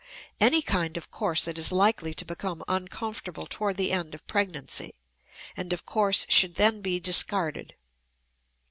Any kind of corset is likely to become uncomfortable toward the end of pregnancy; and of course should then be discarded.